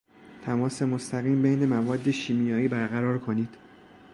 تماس مستقیم بین مواد شیمیایی برقرار کنید.